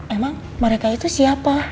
emang mereka itu siapa